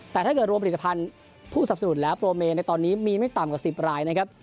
แต่ถ้าเกิดรวมผลิตภัณฑ์ผู้สับสนุนแล้วโปรเมในตอนนี้มีไม่ต่ำกว่า๑๐รายนะครับ